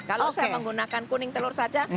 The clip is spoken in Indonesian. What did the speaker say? kalau saya menggunakan kuning telur saja